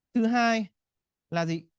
thứ hai là gì